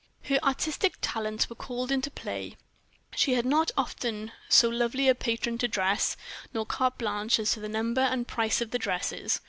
Her artistic talents were called into play; she had not often so lovely a patron to dress, nor carte blanche as to the number and price of the dresses.